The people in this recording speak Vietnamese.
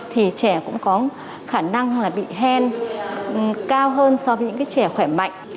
thì trẻ cũng có khả năng bị hen cao hơn so với những trẻ khỏe mạnh